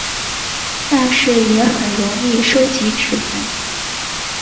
但是也很容易收集指纹。